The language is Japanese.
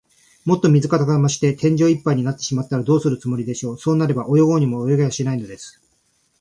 もっと水かさが増して、天井いっぱいになってしまったら、どうするつもりでしょう。そうなれば、泳ごうにも泳げはしないのです。